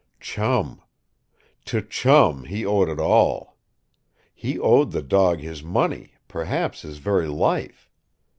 Chum! To Chum he owed it all! He owed the dog his money, perhaps his very life.